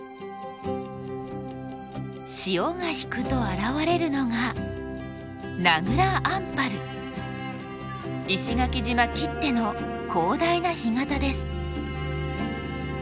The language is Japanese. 潮が引くと現れるのが石垣島きっての広大な干潟です。